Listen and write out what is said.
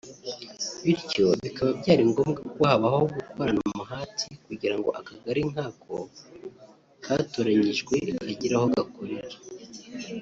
bityo bikaba byari ngombwa ko habaho gukorana umuhati kugira ngo akagari nk’ ako katoranyijwe kagire aho gakorera